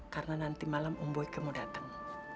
karena nanti malam om boy kemu datang